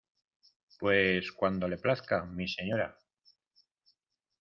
pues cuando le plazca, mi señora.